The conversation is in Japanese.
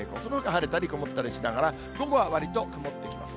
晴れたり曇ったりしながら、午後はわりと曇ってきます。